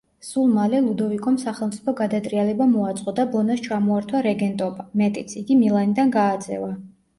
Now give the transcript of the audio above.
სულ მალე ლუდოვიკომ სახელმწიფო გადატრიალება მოაწყო და ბონას ჩამოართვა რეგენტობა, მეტიც, იგი მილანიდან გააძევა.